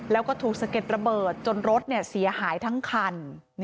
แล้วก็ถูกสะเก็ดระเบิดจนรถเสียหายทั้งคัน